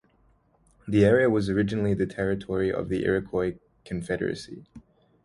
The area was originally the territory of the Iroquois confederacy.